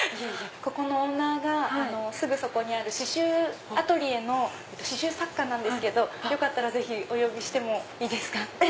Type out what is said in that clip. ここのオーナーがすぐそこにある刺しゅうアトリエの刺しゅう作家なんですけどお呼びしてもいいですか？